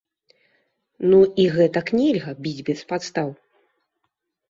Ну, і гэтак нельга, біць без падстаў!